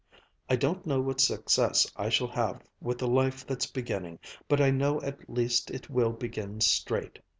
I don't know what success I shall have with the life that's beginning, but I know at least it will begin straight.